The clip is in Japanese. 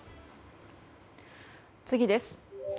次です。